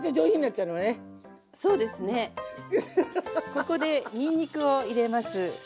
ここでにんにくを入れます。